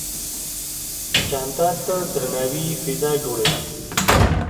جانداد د درناوي فضا جوړوي.